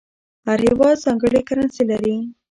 هر هېواد ځانګړې کرنسي لري.